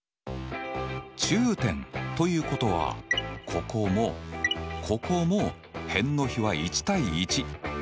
中点ということはここもここも辺の比は１：１。